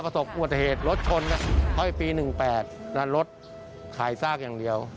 ก็สกปวดเหตุรถชนก็ให้ปี๑๘นั้นรถขายซากอย่างเดียว